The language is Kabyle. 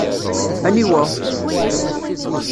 Aniwa?